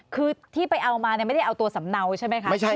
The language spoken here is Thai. คือที่ไปเอามาไม่ได้เอาตัวสำเนาใช่ไหมคะ